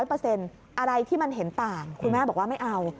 อะไรที่มันเห็นต่างคุณแม่บอกว่าไม่เอา